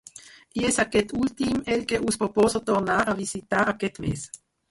I és aquest últim el que us proposo tornar a visitar aquest mes